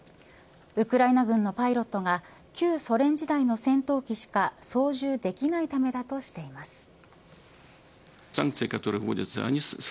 ウクライナ軍のパイロットが旧ソ連時代の戦闘機しか操縦できないためだとしています。